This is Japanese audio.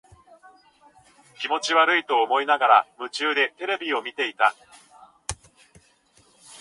気持ち悪いと思いながら、夢中でテレビを見ていた。